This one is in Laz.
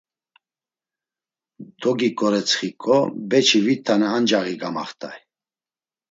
Dogiǩoretsxiǩo beçi vit tane ancaği gamaxt̆ay.